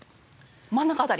真ん中辺り。